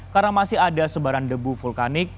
karena masih ada sebaran debu vulkanik